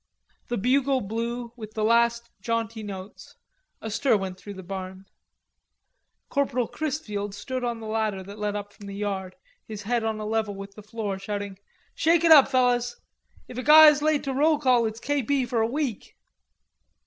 The bugle blew with the last jaunty notes, a stir went through the barn. Corporal Chrisfield stood on the ladder that led up from the yard, his head on a level with the floor shouting: "Shake it up, fellers! If a guy's late to roll call, it's K. P. for a week."